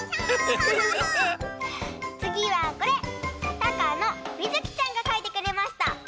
たかのみずきちゃんがかいてくれました。